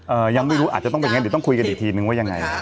ยังไม่รู้อาจจะต้องเป็นอย่างนั้นเดี๋ยวต้องคุยกันอีกทีนึงว่ายังไง